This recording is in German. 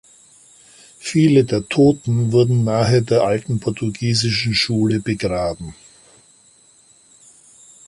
Viele der Toten wurden nahe der alten portugiesischen Schule begraben.